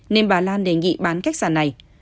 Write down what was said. nên bà lan đề nghị bán khách sạn này